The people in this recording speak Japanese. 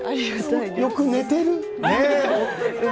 よく寝てる。